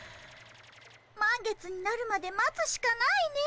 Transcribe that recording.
満月になるまで待つしかないね。